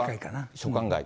所管外。